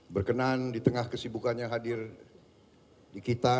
berkenan di tengah kesibukannya hadir di kita